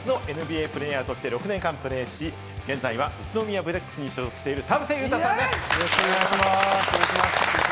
日本人初のＮＢＡプレーヤーとして６年間プレーし、現在は宇都宮ブレックスに所属している、田臥勇太さんです。